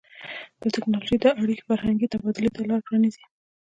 د ټیکنالوژۍ دا اړیکې فرهنګي تبادلې ته لار پرانیزي.